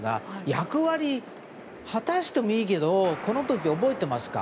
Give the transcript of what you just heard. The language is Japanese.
役割、果たしてもいいけどこの時、覚えてますか？